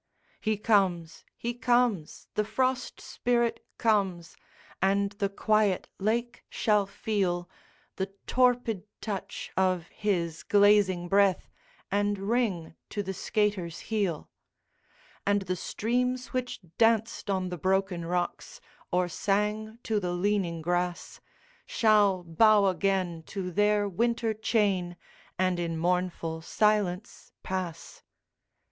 He comes, he comes, the Frost Spirit comes and the quiet lake shall feel The torpid touch of his glazing breath, and ring to the skater's heel; And the streams which danced on the broken rocks, or sang to the leaning grass, Shall bow again to their winter chain, and in mournful silence pass.